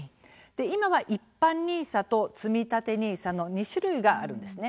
今は、一般ＮＩＳＡとつみたてＮＩＳＡの２種類があるんですね。